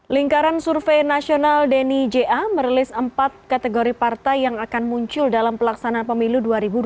lingkaran survei nasional denny ja merilis empat kategori partai yang akan muncul dalam pelaksanaan pemilu dua ribu dua puluh